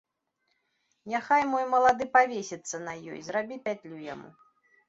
Няхай мой малады павесіцца на ёй, зрабі пятлю яму.